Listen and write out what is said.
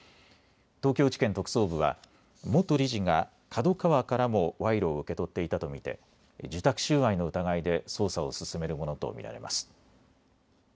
東京地検特捜部は元理事がＫＡＤＯＫＡＷＡからも賄賂を受け取っていたと見て受託収賄の疑いで捜査を進めるものと見られます。